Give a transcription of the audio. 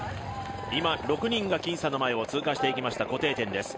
今６人が金さんの前を通過していきました。